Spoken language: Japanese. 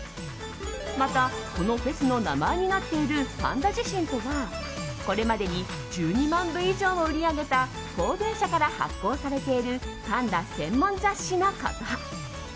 またこのフェスの名前になっている「パンダ自身」とは、これまでに１２万部以上も売り上げた光文社から発行されているパンダ専門雑誌のこと。